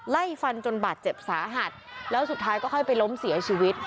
ไล่ฟันจนบาดเจ็บสาหัสแล้วสุดท้ายก็ค่อยไปล้มเสียชีวิต